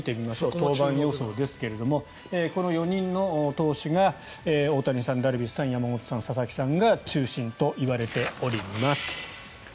登板予想ですけれどこの４人の投手大谷さん、ダルビッシュさん山本さん、佐々木さんが中心といわれております。